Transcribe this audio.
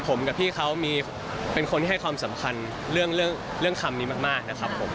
ผมกับพี่เขาเป็นคนที่ให้ความสำคัญเรื่องคำนี้มากนะครับผม